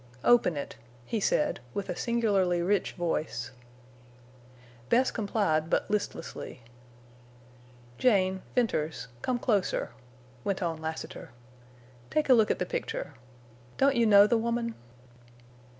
"Open it," he said, with a singularly rich voice. Bess complied, but listlessly. "Jane—Venters—come closer," went on Lassiter. "Take a look at the picture. Don't you know the woman?"